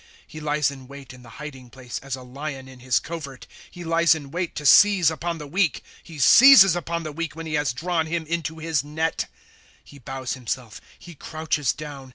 ' He lies m wait in the hiding place as a lion in his covert ; He hes in wait to seize upon the weak ; He seizes upou the weak when he has drawn him into his net. 1" He bows himself, he crouches down.